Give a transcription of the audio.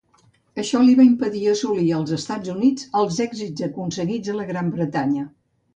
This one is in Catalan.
Això li va impedir assolir als Estats Units els èxits aconseguits a la Gran Bretanya.